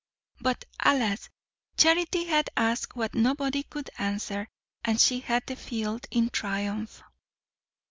But alas! Charity had asked what nobody could answer, and she had the field in triumph.